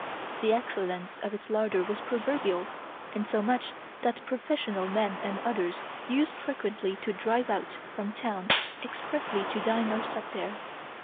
The excellence of its larder was proverbial, insomuch that professional men and others used frequently to drive out from town expressly to dine or sup there.